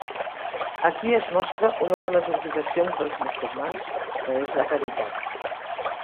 Aquí es mostra una de les obligacions dels musulmans que és la caritat.